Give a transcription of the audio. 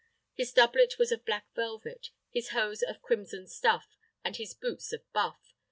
His doublet was of black velvet, his hose of crimson stuff, and his boots of buff.